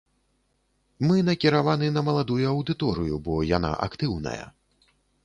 Мы накіраваны на маладую аўдыторыю, бо яна актыўная.